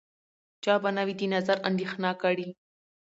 چا به نه وي د نظر اندېښنه کړې